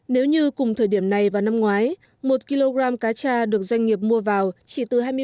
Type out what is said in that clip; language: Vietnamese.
nếu như cùng thời điểm này và năm ngoái một kg cá cha được doanh nghiệp mua vào chỉ từ hai mươi ba